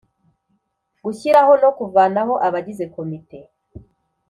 gushyiraho no kuvanaho abagize komite